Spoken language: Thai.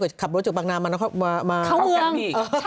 ขับรถจากบางนามาเข้ากันอีก